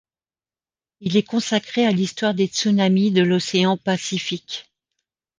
Il est consacré à l'histoire des tsunamis de l'océan Pacifique.